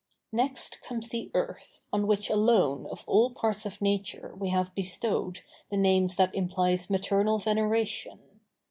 Next comes the earth, on which alone of all parts of nature we have bestowed the name that implies maternal veneration.